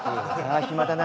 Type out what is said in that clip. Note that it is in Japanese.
あ暇だな。